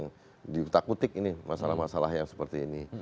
sudah takut ini masalah masalah yang seperti ini